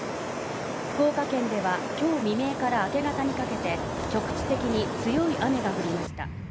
福岡県では今日未明から明け方にかけて局地的に強い雨が降りました。